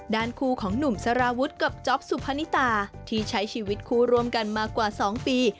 ด้านคู่ของหนุ่มสารวุฒิกับจ๊อปสุพนิตาที่ใช้ชีวิตคู่รวมกันมากว่า๒ปี